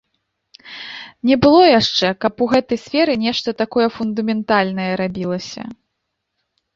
Не было яшчэ, каб у гэтай сферы нешта такое фундаментальнае рабілася.